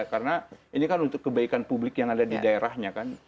karena ini kan untuk kebaikan publik yang ada di daerahnya kan